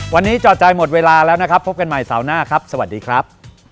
วันนี้จอใจหมดเวลาแล้วนะครับพบกันใหม่เสาร์หน้าครับสวัสดีครับ